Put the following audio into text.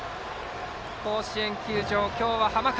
甲子園球場、今日は浜風。